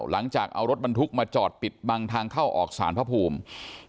หลังจากเอารถบรรทุกมาจอดปิดบังทางเข้าออกสารพระภูมิ